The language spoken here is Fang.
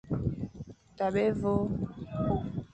Tabe évÔ.